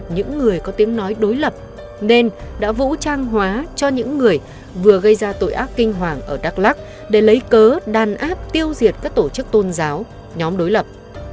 những người có tiếng nói đối lập nên đã vũ trang hóa cho những người vừa gây ra tội ác kinh hoàng ở đắk lắc để lấy cớ đàn áp tiêu diệt các tổ chức tôn giáo nhóm đối lập